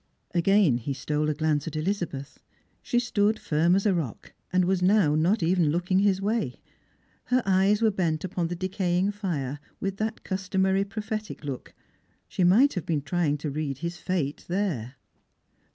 Again he stole a glance at Elizabeth. She stood Hrm as a rock, and was now not even looking his way. Her eyes were bent upon the decaying fire, with that customary prophetic look. She might have been trying to read his fate there.